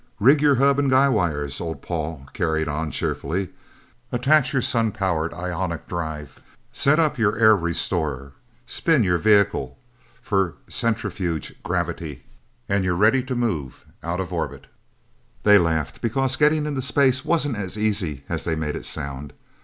"Rig your hub and guy wires," old Paul carried on, cheerfully. "Attach your sun powered ionic drive, set up your air restorer, spin your vehicle for centrifuge gravity, and you're ready to move out of orbit." They laughed, because getting into space wasn't as easy as they made it sound.